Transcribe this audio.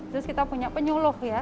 terus kita punya penyuluh ya